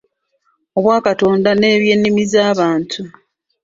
Obwakatonda n’ebyennimi z’abantu